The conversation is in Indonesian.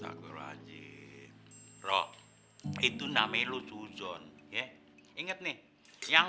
hai astagfirullahaladzim roh itu namelu suzon ya inget nih yang